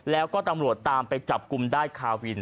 แล้วก็ตำรวจตามไปจับกลุ่มได้คาวิน